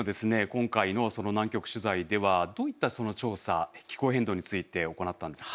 今回の南極取材ではどういった調査気候変動について行ったんですか？